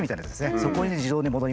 そこに自動で戻ります。